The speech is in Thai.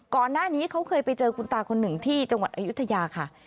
ก่อนหน้านี้เขาเคยไปเจอคุณตาคนหนึ่งที่จังหวัดอายุทยาค่ะ